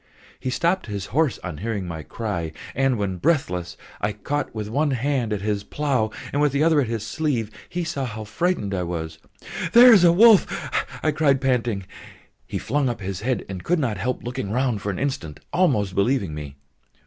He stopped his horse on hearing my cry, and when, breathless, I caught with one hand at his plough and with the other at his sleeve, he saw how frightened I was. "There is a wolf!" I cried, panting. He flung up his head, and could not help looking round for an instant, almost believing me.